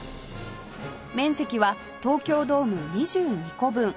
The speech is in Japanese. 面積は東京ドーム２２個分